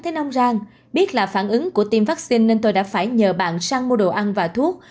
tuy nhiên ông ràng biết là phản ứng của tiêm vaccine nên tôi đã phải nhờ bạn sang mua đồ ăn và thuốc